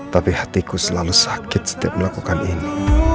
tapi hatiku selalu sakit setiap melakukan ini